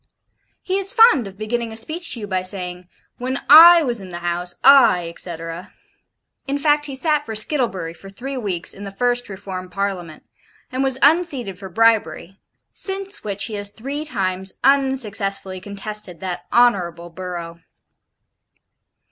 He is fond of beginning a speech to you by saying, 'When I was in the House, I &c.' in fact he sat for Skittlebury for three weeks in the first Reformed Parliament, and was unseated for bribery; since which he has three times unsuccessfully contested that honourable borough.